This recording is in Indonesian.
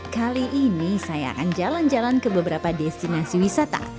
kali ini saya akan jalan jalan ke beberapa destinasi wisata